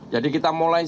jadi kita mulai